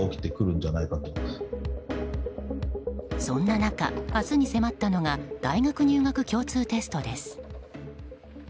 そんな中、明日に迫ったのが大学入学共通テストです。